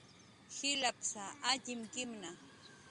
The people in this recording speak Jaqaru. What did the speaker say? jilapsa atyimkinhna